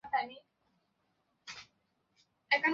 অতি সাবধানে তাকে এড়িয়ে যেতম।